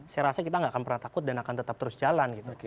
saya rasa kita nggak akan pernah takut dan akan tetap terus jalan gitu